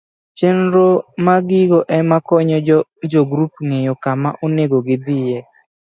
Chenro ma gigo ema konyo jogrup ng'eyo kama onego gidhiye